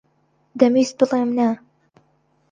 دەمویست بڵێم نا.